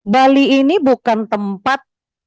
bali ini bukan tempat